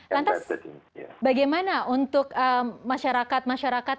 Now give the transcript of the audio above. lantas bagaimana untuk masyarakat masyarakat